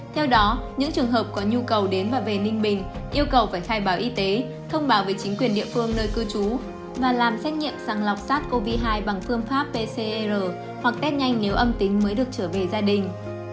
theo đó những trường hợp có nhu cầu đến và về ninh bình yêu cầu phải khai báo y tế thông báo về chính quyền địa phương nơi cư trú và làm xét nghiệm sẵn lọc sát covid một mươi chín bằng phương pháp pcr hoặc tết nhanh nếu âm tính mới được trở về gia đình